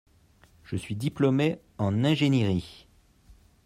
Je suis diplomé en ingénierie.